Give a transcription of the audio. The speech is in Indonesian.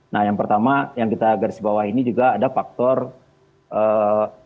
nah yang pertama yang kita garis bawah ini juga ada faktor ee